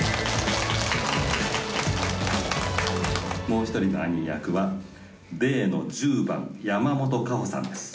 もう１人のアニー役はＤの１０番山本花帆さんです。